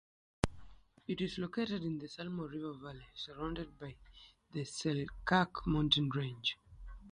It is located in the Salmo River Valley, surrounded by the Selkirk Mountain range.